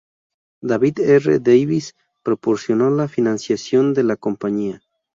David R. Davis proporcionó la financiación de la compañía.